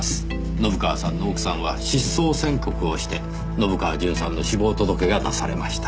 信川さんの奥さんは失踪宣告をして信川順さんの死亡届が出されました。